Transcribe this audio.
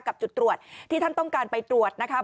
จุดตรวจที่ท่านต้องการไปตรวจนะคะ